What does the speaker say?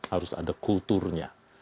harus ada kulturnya